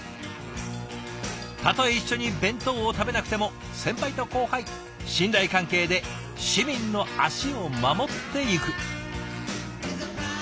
たとえ一緒に弁当を食べなくても先輩と後輩信頼関係で市民の足を守っていく。